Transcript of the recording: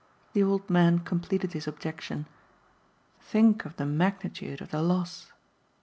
the old man completed his objection. "Think of the magnitude of the loss."